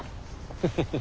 フフフフ！